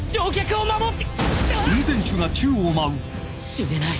死ねない